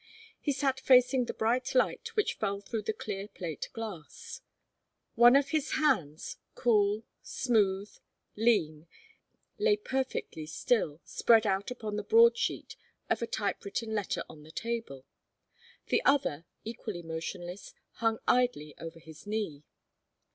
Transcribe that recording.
He sat facing the bright light which fell through the clear plate glass. One of his hands, cool, smooth, lean, lay perfectly still, spread out upon the broad sheet of a type written letter on the table; the other, equally motionless, hung idly over his knee.